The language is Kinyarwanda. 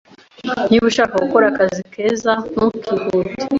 Niba ushaka gukora akazi keza, ntukihute.